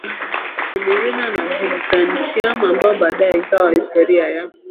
Smyrna na Byzantium ambayo baadaye ikawa Historia ya